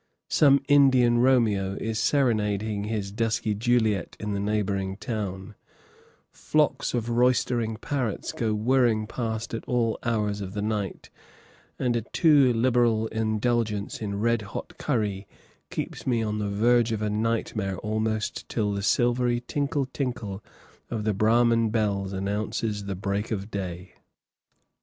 Some Indian Romeo is serenading his dusky Juliet in the neighboring town; flocks of roysteriug parrots go whirring past at all hours of the night, and a too liberal indulgence in red hot curry keeps me on the verge of a nightmare almost till the silvery tinkle tinkle of the Brahman bells announces the break of day.